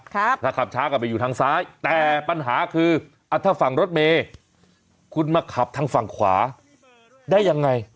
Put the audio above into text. ถ้าขับช้ากลับไปอยู่ทางซ้ายแต่ปัญหาคือถ้าฝั่งรถเมย์คุณมาขับทางฝั่งขวาได้ยังไง